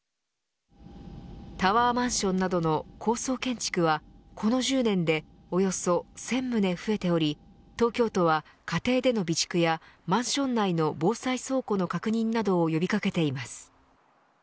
タワーマンションなどの高層建築はこの１０年で、およそ１０００棟増えており東京都は、家庭での備蓄やマンション内の防災倉庫の確認などを呼び掛けています。